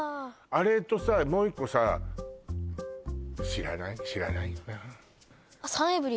あれとさもう一個さ知らないよなおっ！